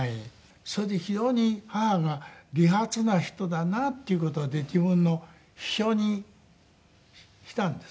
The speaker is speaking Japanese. それで非常に母が利発な人だなっていう事で自分の秘書にしたんです。